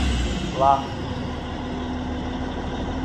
Lá você conseguiu!